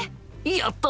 やった！